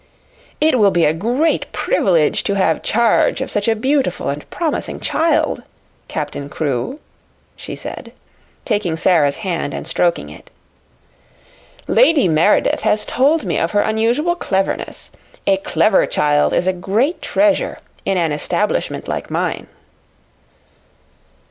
"It will be a great privilege to have charge of such a beautiful and promising child, Captain Crewe," she said, taking Sara's hand and stroking it. "Lady Meredith has told me of her unusual cleverness. A clever child is a great treasure in an establishment like mine."